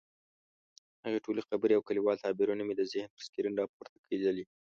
هغه ټولې خبرې او کلیوال تعبیرونه مې د ذهن پر سکرین راپورته کېدلې.